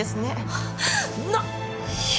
なっ。